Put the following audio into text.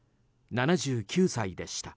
７９歳でした。